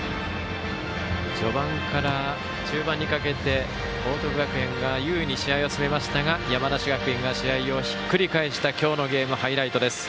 序盤から中盤にかけて報徳学園が優位に試合を進めましたが山梨学院が試合をひっくり返した今日のゲームハイライトです。